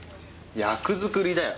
役作りだよ。